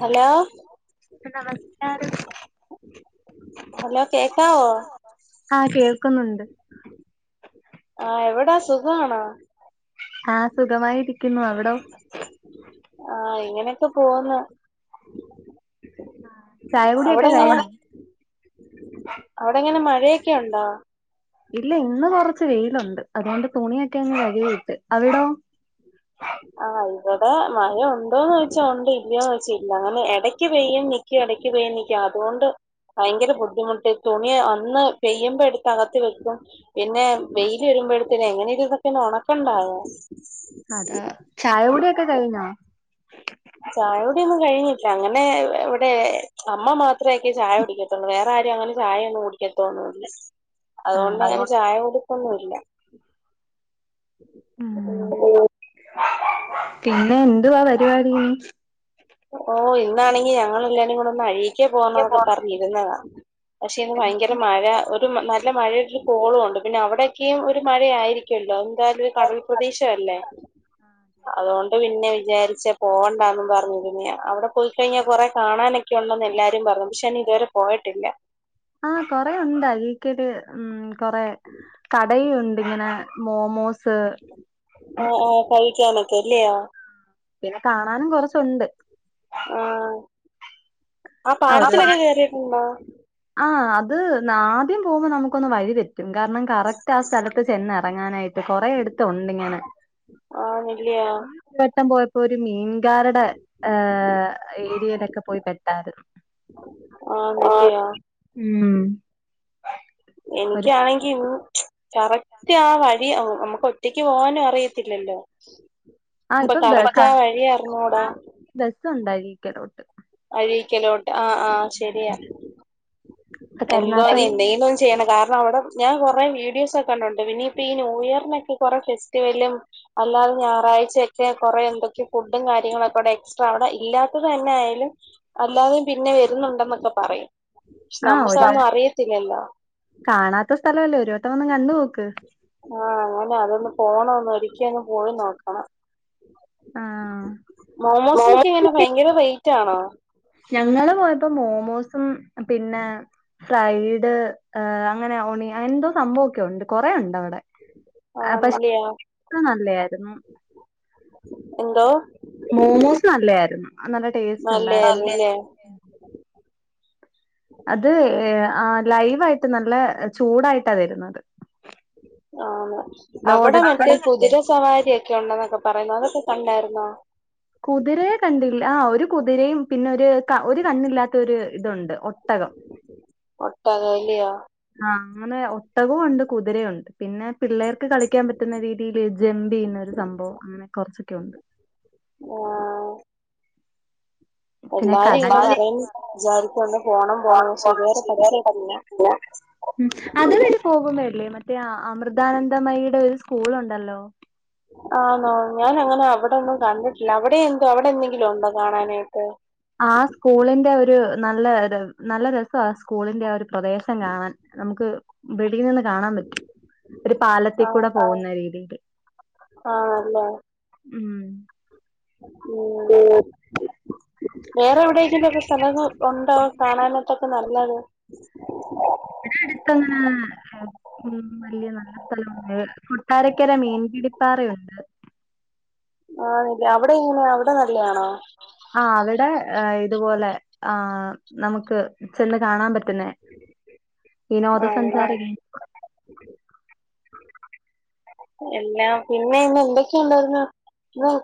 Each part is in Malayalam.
ഹലോ നമസ്കാരം ഹലോ കേക്കാവോ ആ കേൾ ആ എവിടാ സുഖണോ? ആ സുഖമായിരിക്കുന്നു അവിടോ? ആ ഇങ്ങനെയൊക്കെ പോന്ന് ചായ കുടിയൊക്കെ അവിടെങ്ങനെയാ കഴിഞ്ഞോ അവിടെങ്ങനെയാ കഴ് ഴയോക്കെ ഉണ്ടോ ഇല്ല ഇന്ന് കുറച്ച് വെയിലുണ്ട് അതുകൊണ്ട് തുണിയൊക്കെ അങ്ങ് കഴുവിട്ട് അവിടോ? [unintelligible] ആഹ് ഇവിടെ മഴ ഉണ്ടോന്ന് ചോയ്ച്ചാ ഉണ്ട് ഇല്ലയോ ചോയ്ച്ചാ ഇല്ല അങ്ങനെ ഇടക്ക് പെയ്യും നി ക്ക്എടക്പെയ്യും നിക്കും അതുകൊണ്ട് ഭയങ്കര ബുദ്ധിമുട്ട് തുണി ഒന്ന് പെയ്യുമ്പോ എടുത്ത് അകത്തി വെക്കും പിന്നെ വെയില് വരു മ്പോഴത്തേനെ എങ്ങനെങ്കിലു ഇതൊക്കെ ഒന്ന് ഉണക്കണ്ടായോ അത ചായകുടിയൊക്കെ കയിഞ്ഞോ ചായോടിയൊന്നും കഴിഞ്ഞില്ല അങ്ങനെ ഇവിടെ അമ്മ മാത്രേ യോക്കെ ചായ കുടിക്കത്തുള്ളൂ വേറെ ആരു രും അങ്ങനെ ചായ ഒന്നും കുടിക്കത്തോന്നുല്ല അതുകൊണ്ട് ആഹ് അങ്ങെനെ ചായ കുടിപ്പൊന്നും ഇല്ല ഓ ഉം പിന്നെ എന്തുവാ പരിപാടി ഓ ഇന്നാണെങ്കി ഞങ്ങളെല്ലാരും കൂടെ ഒന്ന് അഴീക്കേ പോണം എന്നൊക്കെ പറഞ്ഞിരുന്നതാ പക്ഷെ ഇന്ന് ഭയങ്കര മഴ ഒരു നല്ല മഴ കോളുണ്ട് പിന്നെ അവിടെക്കിം ഒരു മഴ ആയിരിക്കുവല്ലോ [unintelligible] കടൽ പ്രദേശല്ലേ അതൊണ്ട് പി പിന്നെ വിചാരിച്ച പോകണ്ടാന്ന് പറഞ്ഞ അവിടെ പോയിക്കഴിഞ്ഞാ കൊറെ കാണാനൊക്കെ ഉണ്ടെന്ന് എല്ലാരും പറഞ്ഞു പക്ഷെനാ ഇതുവരെ പോയിട്ടില്ല ആ കൊറെയുണ്ട് അഴിക്കല് മ് കൊറെ കടയുംണ്ട് ഇങ്ങനെ മോമോസ് ഓ ഓ കഴിക്കാനൊക്കെല്ലയോ പിന്നെ കാണാനും കൊറച്ചുണ്ട് ആ ആ പാലത്തിലോക്കെ കേയറിയിട്ടുണ്ടോ? ആ അത് ന്നാദ്യം പോകുമ്പോൾ നമുക്കൊന്ന് വഴി പറ്റും കാരണം കറക്റ്റ് ആ സ്ഥലത്ത് ചെന്നിറങ്ങാനായി കൊറെ എടുത്തുണ്ട് ഇങ്ങൻ ആഹ് നെല്ലിയോ വട്ടം പോയപ്പോ ഒരു മീൻ ക്കാരുടെ ഹേ ഏരിയയിലൊക്കെ പോയി പെട്ടരുന്നു ആ നല്ലിയോ ഉം എനിക്കാണെങ്കി ഇന്ന് കറക്റ്റ് ആ വഴി നമ്മുക്ക് ഒറ്റക്ക് പോവാനും അറിയത്തില്ലല്ലോ ആഹ് ഇപ്പൊ ബസ് കറക്റ്റായ വഴി അറിഞ്ഞൂടാ ബസ് [unintelligible] ഒഴിക്കലോട്ട് ആ ആ ശരിയാ എന്തോന്ന് കരുനാപ്പള്ളി എന്തെലും ചെയ്യണം കാരണം അവിടെ ഞാൻ കൊറെ വീഡിയോസ് ഒക്കെണ്ട് പിനിയിപ്പ ഈ ന്യൂ ഇയറിനൊക്കെ കൊറെ ഫെസ്റ്റിവലും അല്ലാതെ ഞായറാഴ്ചൊക്കെ കൊറെ എന്തൊക്കെ ഫു കാര്യങ്ങളൊക്കെ അവിടെ എക്സ്ട്രാ അവിടെ ഇല്ലാത്തത് തന്നെ ആയാലും അല്ലാതെയും പിന്നെ വരുന്നുണ്ടെന്നൊക്കെ പറയും പക്ഷെ ആ ഒ നമുക്കതൊന്നും അറിയത്തില്ലല്ലോ കാണാത്ത സ്ഥലല്ലേ ഒരുവട്ടം വന്ന് കണ്ടു നേക്ക് ആ അങ്ങനെ അതൊന്ന് പോണന്ന് ഒരിക്കല ഒന്ന് പോയി നോക്കണം ആഹ് മോമോസിനൊക്കെ എങ്ങനെ ഭയങ്കര റെയ്റ്റാണോ ആണോ ഞങ്ങള് പോയപ്പോ മോമോസും പിന്നെ ഫ്രൈഡ് അങ്ങനെ ഒണി അങ്ങനെന്തോ സംഭവൊക്കെ ഉണ്ട് കൊറെ ഉണ്ട് അവിടെ ആന്നില്ലയോ പക്ഷേ നല്ലതായിരുന്നു എന്തോ മോമോസ് നല്ലായിരുന്നു നല്ല ടേസ്റ്റ് ഉണ്ടായിരുന്ന് നല്ലായിരുന്നുല്ലേ അത് ആ ലൈവായിട്ട് നല്ല ചൂടായിട്ടാ വരുന്നത് ആ അവിടെ ലോഡഡ് മറ്റേ ഫ്രൈസ് കുതിരസവാരി ഒക്കെ ഉണ്ടെന്നൊക്കെ പറയുന്ന അതൊക്കെ കണ്ടായിരുന്നോ? കുതിരയെ കണ്ടില്ല ആ ഒരു കുതിരയും പിന്നെ ഒരു ഒരു കണ്ണില്ലാത്ത ഒരു ഇതുണ്ട് ഒട്ടകം ഒട്ടകല്ലയോ ആ അങ്ങനെ ഒ ഒട്ടകവും ഉണ്ട് കുതിരയ ഉണ്ട് പിന്നെ പിള്ളേർക്ക് കളിക്കാൻ പറ്റുന്ന രീതിയിൽ ജെംമ്പി എന്നൊരു സംഭവം അങ്ങനെ കുറച്ചൊക്കെ ഉണ്ട് ഒ ആ പിന്നെ ക ഇങ്ങനെ പറ പറയുന്ന വിചാരിക്കൊണ്ട് പോണം പക്ഷെ പോണം ഇതുവരെ പോ പറ്റിയിട്ടില്ല [unintelligible] ഉം അത് വരെ പോകുമ്പ അല്ലേ മറ്റേ അയാ അമൃതാനന്ദമയുടെ ഒരു സ്കൂളുണ്ടല്ലോ ആണോ ഞാനങ്ങനെ അവിടൊന്നും കണ്ടിട്ടില്ല അവിടെ എന്തോ അവിടെ എന്തെങ്കിലും ഉണ്ടോ കാണാനായിട്ട് ആ സ്കൂളിന്റെ ഒരു നല്ല നല്ല രസം ആ സ്കൂളിന്റെ ഒരു പ്രദേശം കാണാൻ നമുക്ക് അ നിന്ന് കാണാൻ പറ്റും ഒരു പാലത്തിക്കൂടെ പോകുന്ന രീതിൽ ആ അല്ലേ ഉം ഉം വേറെ എവിടെയെങ്കിലും ഒക്കെ സ്ഥലം ഉണ്ടോ കാണാനായിട്ടൊക്കെ നല്ലത് ഇവിടെ അടുത്ത്ങ്ങന ഉ വലിയ നല്ല സ്ഥല കൊട്ടാരക്കര മീന് പിടിപ്പാറയുണ്ട് അന്ന്ല്ലേ അവിടെ ഇങ്ങനെ അവിടെ നല്ലയാണോ ആ അവിടെ ഇതുപോലെ ആ നമുക്ക് ചെന്ന് കാണാൻ പറ്റുന്നേ ആണല്ലേ വിനോദസഞ്ചാരിക [inaudible]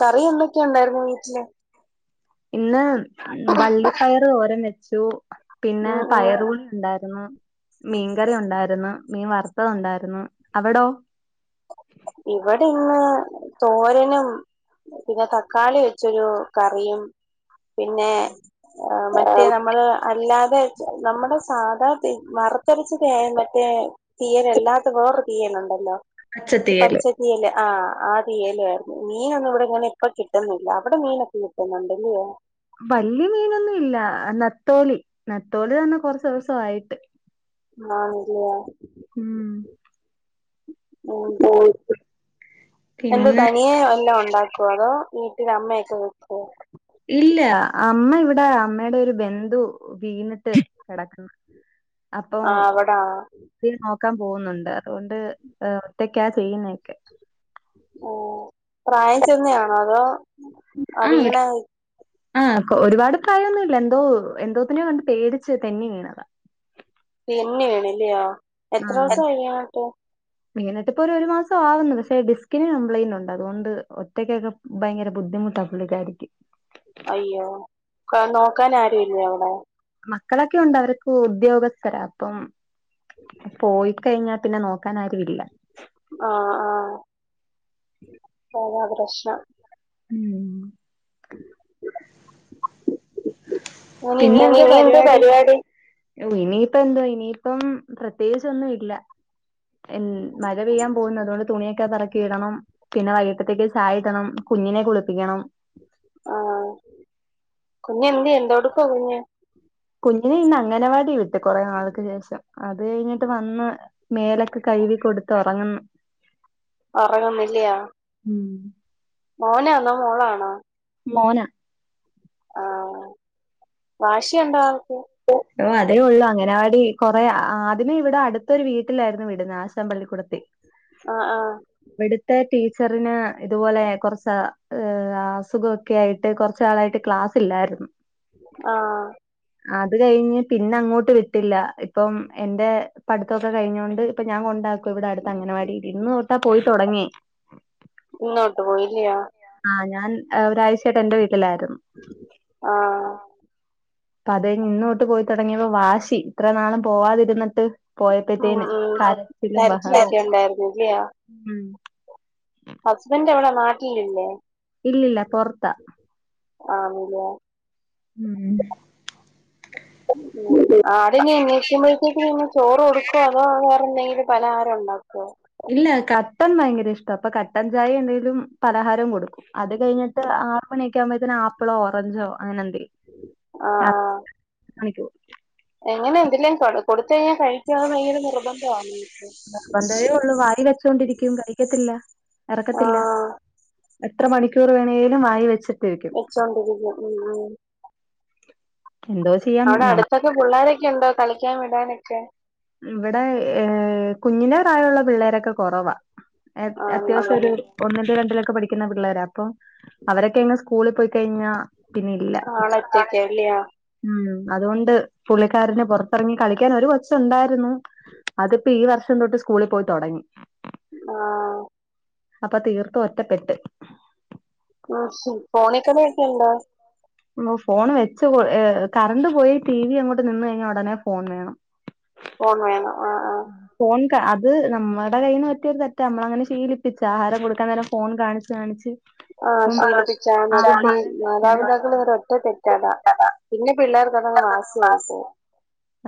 കറി എന്തൊക്കെ ഉണ്ടായിരുന്നു വീട്ടില് ഇന്ന് വള്ളിപ്പയർ ഓര വെച്ചു പിന്നെ ഉം ഉം പയറുക ഉണ്ടായി മീൻകറി ഉണ്ടായിരുന്നു മീൻ വറുത്തത ഉണ്ടായിരുന്നു അവിടോ ഇവിടെന്ന് തോരനും പിന്നെ തക്കാളി വെച്ചൊരു കറിയും പിന്നെ മറ്റേ നമ്മള് അല്ലാതെ നമ്മുടെ സാധാ മറുത്തരിച്ചത് മറ്റേ തീയൻല്ലാത്ത വേറ തീയനുണ്ടല്ലോ? ഇ പച്ചത്തീയല് പച്ചതിയല് ആഹ ആ തീയല് ആയിരുന്നു മീനൊന്നും ഇവിടെ ഇങ്ങനെ ഇപ്പ കിട്ടുന്നില്ല അവിടെ മീനൊക്കെ കിട്ടുന്നുണ്ടല്ലേ വല്യ മീനൊന്നും ഇല്ല നത്തോലി നത്തോലി തന്നെ കൊറച്ച് ദിവസയിട്ട് ആന്ന് ഇല്ലേയ ഉം ഉം എന്ത് പിന്നെ തനിയെ എല്ലാം ഉണ്ടാക്കുവ അതോ ഈ ഇ അമ്മയക്ക ഇല്ല അമ്മ ഇവിടെ അമ്മയുടെ ഒരു ബന്ധു വീണിട്ട് കിടക്കുന്നു അപ്പൊ ആ അവിടെ നോ ക്കാൻ പോകുന്നുണ്ട് അതുകൊണ്ട് ഒറ്റക്കാ ചെയ്യുന്നൊക്കെ ആ ഒരു- അവിണ് ആ ഒരുപാട് പ്രായൊന്നു ഇല്ല എന്തോ എന്തോത്തിനെയോ കണ്ട് പേടിച്ച് തെന്നി വീണതാ തെന്നി വേണില്ലയോ എത്ര ദിവസം ആയി വിണിട്ടു വിണിനിട്ടിപ്പൊ ഒരു ഒരു മാസം ആവുന്നു പക്ഷെ ഡിസ്കിന് കംപ്ലയിന്റ് ഉണ്ട് അതുകൊണ്ട് ഒറ്റക്കൊക്കെ ഭയങ്കര ബുദ്ധിമു ട്ട പുള്ളികാരിക്ക് അയ്യോ നോക്കാൻ ആരു ഇല്ലേ അവിടെ മക്കളൊക്കെ ഉണ്ട് അവർക്ക് ഉദ്യോഗസ്ഥരാ അപ്പം പോയി കഴിഞ്ഞാൽ പിന്നെ നോക്കാൻ ആരും ഇല്ല ആ ആ അതാപ്രശ്നം ഉം. പിന്നെ ഇനി എന്ത് പരിപാടി ഓ ഇനിയിപ്പ എന്താ ഇനിയിപ്പം പ്രത്യേകിച്ച് ഒന്നും ഇല്ല മഴ പെയ്യാൻ പോകുന്നു അതുകൊണ്ട് തുണിയൊക്കെ പറക്കി ഇടണം പിന്നെ വൈക ത്തേക്ക് ചായടണം കുഞ്ഞിനെ കുളി ആ കുഞ്ഞ് എന്തേ എന്തോടുക്കാ കുഞ്ഞ് കുഞ്ഞിനെ ഇന്ന് അംഗനവാടി വിട്ട് കുറെ നാൾക്ക് ശേഷം അത് കഴിഞ്ഞിട്ട് വന്ന് മേലൊക്ക് കഴുകി കൊടുത്ത് ഉറങ്ങുന്നു ഉറകുന്നില്ലയാ ഉം മോനാന്നോ മോളാണോ മോന ആ വാശിയുണ്ട ആൾക്ക് ഓ അതേ ഉള്ളൂ അങ്ങനവാടി കൊറെ ആദ്യം ഇവിടെ അടുത്തൊരു വീട്ടിലായിരുന്നു വിടുന്ന ആശൻ പള്ളിക്കൂടത്തിൽ ആ ആ ടീച്ചറിന് ഇതുപോലെ കുറച്ച് ഏ അസുഖമൊക്കെ ആയിട്ട് കുറച്ചാളായിട്ട് ക്ലാസ് ഇല്ലായിരുന്നു ആ അത് കഴിഞ്ഞ് പിന്നെ അങ്ങോട്ട് വിട്ടില്ല ഇപ്പം എന്റെ പഠിത്തൊക്കെ കഴിഞ്ഞൊണ്ട് ഇപ്പൊ ഞാൻ കൊണ്ടാ ഇവിടെ അടുത്ത് അങ്ങനവാടി ഇന്ന് തൊട്ടാ പോയി തുടങ്ങി ഇന്നോട്ട് പോയി ഇല്ലയോ ആ ഞാ ഒരാഴ്ചട്ട് എന്റെ വിട്ടി ആ അപ്പ അത് ഇന്നോട്ട് പോയിത്തുടങ്ങിയപ്പോ വാശി ഇത്ര നാളും പോവാതിരിനിട്ട് ഉം പോയപ്പോത്തേന് ഉം കറച്ചിലും ബഹള കരച്ചിലൊക്കെ ഹസ്ബന്റ് എവിടെ നാട്ടിലില്ലേ ഇല്ലില്ല പൊറത്താ ആണില്ലേ ഉം ഉം ആടിനെ നക്കുമ്പോഴത്തേക്ക്ഇനി ചോറ് കൊടുക്കോ അതോ വേറെന്തെങ്കിലും? പലഹാരം ഉണ്ടാക്കോ ഇല്ല കട്ടൻ ഭയങ്കര ഇഷ്ട അപ്പൊ കട്ടൻ ഛായേണേലും പലഹാരം കൊടുക്കും അത് കയിഞ്ഞിട്ട് ആറ് മണി ഒക്കെ ആവുമ്പേത്തിന് ആപ്പിളോ ഓറഞ്ചോ അങ്ങനണ്ട് ആഹ് ആഹ് [unintelligible] എങ്ങനെ എന്ത്ലേം കൊ കൊടുത്തയ്ഞ്ഞ കഴിക്കോ അത് ഭയങ്കര നിർബന്ധവാ നിർബന്ധേ ഒള്ളു വായി വെച്ചോണ്ടിരിക്കും കഴിക്കത്തില്ല ഇറക്കത്തില്ല. ആഹ് എത്ര മണിക്കൂർ വേണേലും വായി വെച്ച് വെച്ചോണ്ടിരിക്കും ഉം ഉം എന്തോ ചെയ്യാം അവടെ നമ്മ അടുത്തൊക്കെ പുള്ളാരൊക്കെണ്ടോ കളിക്കാൻ വിടാനൊക്കെ? ഇവടെ ഏ കുഞ്ഞിനെ പ്രായമുള്ള പിള്ളേരൊക്കെ കൊ റവാ. ഏ ആണല്ലേ അത്യാവശ്യൊരു ഒന്നിലോ രണ്ടിലൊക്കെ പഠിക്കുന്ന പിള്ളേരാ അപ്പൊ അവരൊക്കെയങ്ങ് സ്കൂളിൽ പോയി കഴിഞ്ഞാ പിന്നെ ഇല്ല ആളൊറ്റക്കാ അല്ലയോ ഉം അതുകൊണ്ട് പുള്ളിക്കാരന് പൊറത്തിറങ്ങി കളിക്കാനൊരു കൊച്ച് ണ്ടായിരുന്നു അതിപ്പൊ ഈ വർഷം തൊട്ട് സ്കൂളി പോയി തൊടങ്ങി. ആ അപ്പൊ തീർത്ത് ഒറ്റപ്പെട്ട് ആഷി ഫോണേ കളിയൊക്കെണ്ടോ? ഉം ഫോൺ വെച്ച് ഏ കറണ്ട് പോയി ടി വി അങ്ങോട്ട് നിന്ന് കഴിഞ്ഞാ ഉടനെ ഫോൺ വേണം. ഫോൺ വേണം. ആഹ് ആഹ് ഫോൺ ല്ല അത് നമ്മടെ കയ്യീന്ന് പറ്റിയൊരു തെറ്റ. നമ്മളങ്ങനെ ശീലിപ്പിച്ച ആഹാരം കൊടുക്കാൻ നേരം ഫോൺ കാണിച്ച് കാണിച്ച് ആ ഇപ്പം ശീലിപ്പിച്ചാ അത് തേ ആഹാരം മാതാപിതാക്കൾ കഴിക്കാനായി ഒരൊറ്റ തെറ്റാടാ ഫോൺ പിന്നെ പിള്ളേർക്കതങ്ങ് വാസിയായിപ്പോ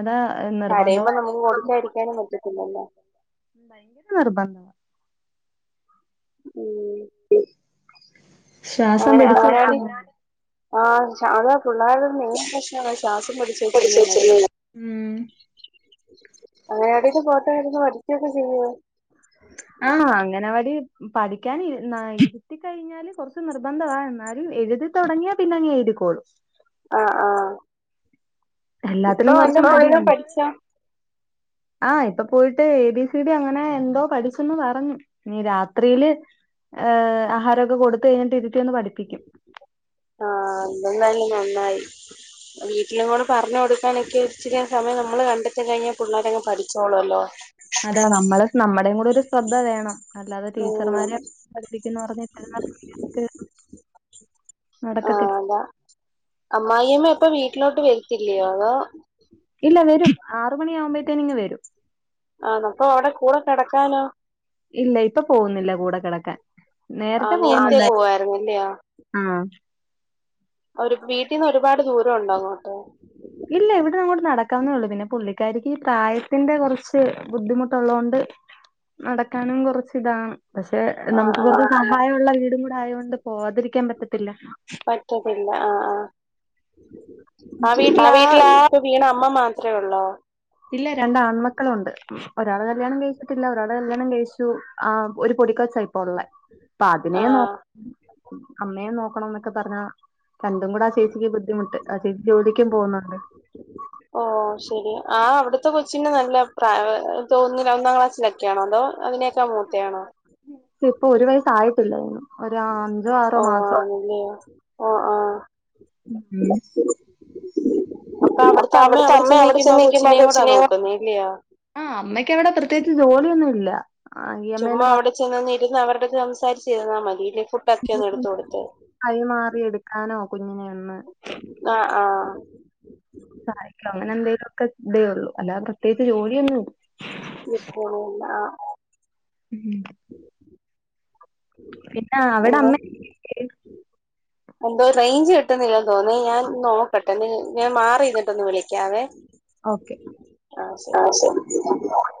അതാ നിർബന്ധം കരയുമ്പോ നമുക്ക് കൊടുക്കാതിരിക്കാനും പറ്റത്തില്ലല്ലോ. ഭയങ്കര നിർബന്ധവാ ഉം ശ്വാസം പിടിച്ചിരിക്കുന്നു ആ [unintelligible] പിള്ളേരുടെരു മെയിൻ പ്രശ്നമാ ശാസം പിടിച്ച വെച്ചിരുന്നതെ ഉം അങ്ങനെടേലും പോട്ടായിരുന്നു [unintelligible] ആ അങ് എനോല് പഠിക്കാൻ ഇരുന്നാ ഇരുത്തി കഴിഞ്ഞാല് കുറച്ച് നിർബന്ധവാ എന്നാലും എഴുതി തുടങ്ങിയ പിന്നെ അങ്ങ് എഴതിക്കോളും. അ ആ ഇപ്പൊ എല്ലാത്തിനും എല്ലാം പോയി പഠിച്ചാ ആ ഇപ്പൊ പോയിട്ട് എ ബി സി ഡി അങ്ങനെ എന്തോ പഠിച്ചന്ന് പറഞ്ഞു നി രാത്രിയില് ഹ് ആഹാരൊക്കെ കൊടുത്ത് കയ്ൻ ആ അതെന്തായാലും നന്നായി വീട്ടിലങ്ങോട് പറഞ്ഞ് കൊടുക്കാനൊക്കെ ഇച്ചിരി സമയം നമ്മള് കണ്ടെത്തി കഴിഞ്ഞാ പിള്ളാരങ്ങ് പഠിച്ചോളൊല്ലോ അതാ നമ്മള് നമ്മുടേം കൂടൊരു ശ്രദ്ധ വേണം. അല്ലാതെ ഉം ടീച്ചർമാരെ പഠിപ്പിക്കുന്നറഞ്ഞ് ഇട്ടിരുന്ന കാര്യല്ല ട്ട് ആ അതാ അമ്മായിമ്മ ഇപ്പൊ വീട്ടിലോട്ട് വരുത്തില്ലയോ അതോ ഇല്ല വരും ആറ് മണിയാകുമ്പോഴത്തേന് ഇങ്ങ് വരും ആണോ അപ്പൊ അവിടെ കൂടെ കെടക്കാനോ ഇല്ല ഇപ്പൊ പോവുന്നില്ല കൂടെ കകെടക്കാൻ ആ നേരത്തെ പോകുന്നുണ്ടാ പോവായിരുന്നല്ലയോ ആ ഒരു വീട്ടീന്ന് ഒരുപാട് ദൂര ഒണ്ടോ അങ്ങോട്ട്? ഇല്ല ഇവിട്ന്നങ്ങോട്ട് നടക്കാവുന്നേ ഒള്ളു പിന്നെ പുള്ളിക്കാരിക്ക് ഈ പ്രായത്തിന്റെ കുറച്ച് ബുദ്ധിമുട്ടൊള്ളത് കൊണ്ട് നടക്കാനും കൊറച്ച് ഇതാ പക്ഷെ ആ നമുക്ക് ആ കൊറച്ച് സഹായുള്ള വീടും കൂടെ ആയോട് പോകാതിരിക്കാൻ പറ്റത്തില്ല. പറ്റത്തില്ല ആ ആ ആ വീട്ട്ല് ആ ഇപ്പൊ വീണ അമ്മ മാത്ര ഒള്ളോ ഇല്ല രണ്ട് ആൺമക്കളുണ്ട് ഒരാള് കല്യാണം കഴിച്ചിട്ടില്ല ഒരാള്കല്യാണം കഴിച്ചു. ആ ഒരു പൊടികൊച്ചാ ഇപ്പൊ ഒള്ളെ അപ്പ അതിനേ ആ നോ അമ്മയെ നോക്കണന്നൊക്കെ പറഞ്ഞാ രണ്ടും കൂടെ ആ ചേച്ചിക്ക് ബുദ്ധിമുട്ട് ആ ചേച്ചി ജോലിക്കും പോന്നുണ്ട് ഓ ശരി ആ അവിടുത്തെ കൊച്ചിന് നല്ല പ്ര തോന്ന്‌ല ഒന്നാം ക്ലാസ്സിലൊക്കെണോ അതോ അതിനെക്കാ മൂത്തെയാണോ ഇപ്പൊ ഒരു വയസ്സ് ആയിട്ടില്ലാ തോന്നുന്നു ഒരു അഞ്ചോ ആറോ ഓ മാസം ആണല്ലയോ ഓ ആ [inaudible] പ്പ അവിടുത്തെ അമ്മേ അവിടെ ചെന്നിക്കുമ്പോ ആ കൊച്ചിനേ കൂടെ നോക്കുന്നി ല്ല്യ ആ അമ്മയ്ക്ക് അവിടെ പ്രത്യേകിച്ച് ജോലിയൊന്നും ല്ല ചുമ്മാ അവടെ ചെന്നന്ന് ഇരുന്ന് അവരട് സംസാരിച്ചിരുന്നാ മതില്ലേ പുട്ടൊക്കെ ഒന്ന് എടുത്ത് കൊടുത്ത് കൈമാറി എടുക്കാനോ കുഞ്ഞിനെ ഒന്ന് അ ആ സഹായിക്ക അങ്ങനെന്തേലാക്കെ ഇതേ ഉള്ളൂ അല്ലാതെ പ്രത്യേക്കിച്ച് ജോലിയൊന്നും ആഹ് ഉം പിന്നെ അവിടെ ഒന്ന് അമ്മേ എന്തോ റയ്ഞ്ച് കിട്ടുന്നില്ല എന്ന് തോന്നു ഞാൻ നോക്കട്ടെ നീ ഞാൻ മാറി ഇരുന്നിട്ട് ഒന്ന് വിളിക്കാവേ ഓക്കെ ആ ശരി [unintelligible]